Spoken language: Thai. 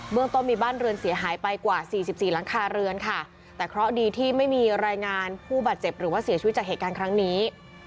เมืองต้นมีบ้านเรือนเสียหายไปกว่าสี่สิบสี่หลังคาเรือนค่ะแต่เคราะห์ดีที่ไม่มีรายงานผู้บาดเจ็บหรือว่าเสียชีวิตจากเหตุการณ์ครั้งนี้